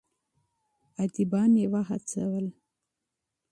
اديبان يې هڅول.